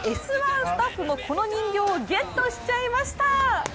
スタッフもこの人形をゲットしちゃいました。